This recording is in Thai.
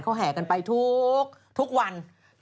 เขาแห่กันไปทุกวัน